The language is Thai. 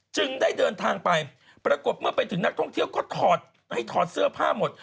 จึงได้เดินทางไปปรากฏเมื่อไปถึงนักท่องเที่ยวก็ถอดให้ถอดเสื้อผ้าหมด